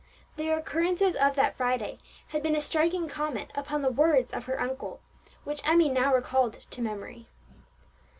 The occurrences of that Friday had been a striking comment upon the words of her uncle, which Emmie now recalled to memory.